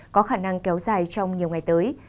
có khả năng kéo dài trong nhiều ngày tới